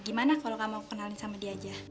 gimana kalau kamu kenalin sama dia aja